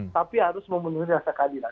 tapi harus memenuhi rasa keadilan